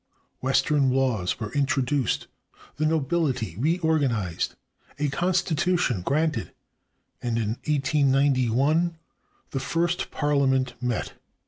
Western laws were introduced, the nobility reorganized, a constitution granted, and in 1891 the first parhament met.